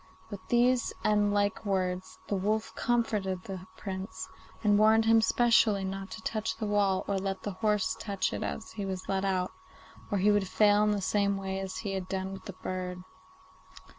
With these and like words the wolf comforted the Prince, and warned him specially not to touch the wall or let the horse touch it as he led it out, or he would fail in the same way as he had done with the bird.